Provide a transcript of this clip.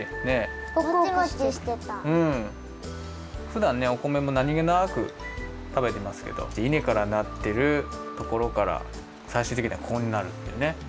ふだんねお米もなにげなく食べてますけどいねからなってるところからさいしゅうてきにはこうなるっていうね。